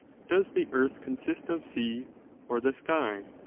Does the earth consist of sea, or the sky